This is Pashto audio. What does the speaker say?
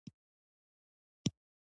افغانستان د ښارونه له امله شهرت لري.